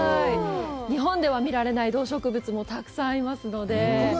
日本では見られない動植物もたくさんありますので。